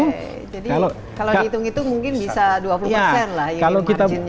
jadi kalau dihitung itu mungkin bisa dua puluh persen lah